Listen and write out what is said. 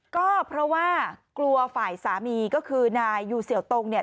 ก็เพราะว่ากลัวฝ่ายสามีก็คือนายยูเสี่ยวตรงเนี่ย